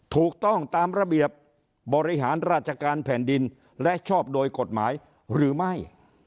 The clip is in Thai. ถูกต้องตามระเบียบบริหารราชการแผ่นดินและชอบโดยกฎหมายหรือไม่